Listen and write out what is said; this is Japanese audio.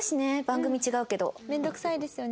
番組違うけど。